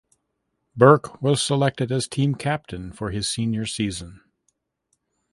Burke was selected as team captain for his senior season.